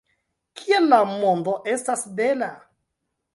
Kiel la mondo estas bela!